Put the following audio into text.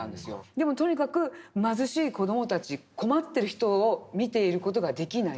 でもとにかく貧しい子どもたち困ってる人を見ている事ができない。